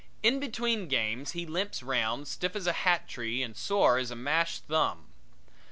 In between games he limps round, stiff as a hat tree and sore as a mashed thumb.